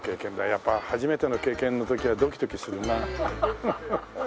やっぱ初めての経験の時はドキドキするな。